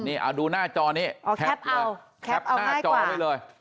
นี่เอาดูหน้าจอนี้แคปเลยแคปหน้าจอไว้เลย